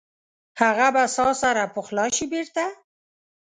هغه به ساه سره پخلا شي بیرته؟